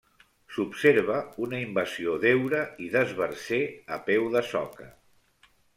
S'observa una invasió d'heura i d'esbarzer a peu de soca.